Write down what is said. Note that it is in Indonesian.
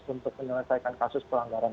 untuk menyelesaikan kasus pelanggaran